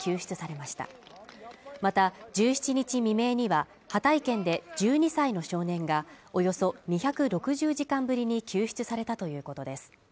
また１７日未明にはハタイ県で１２歳の少年がおよそ２６０時間ぶりに救出されたということです